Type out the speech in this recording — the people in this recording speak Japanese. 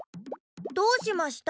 どうしました？